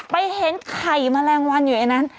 ไปเห็นไข่แมลงวันอยู่ในนั้น